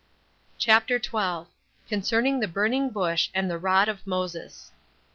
CHAPTER 12. Concerning The Burning Bush And The Rod Of Moses. 1.